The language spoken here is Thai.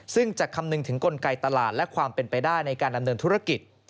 ซึ่งจะคำนึงถึงกลไกตลาดและความเป็นไปได้ในการดำเนินธุรกิจ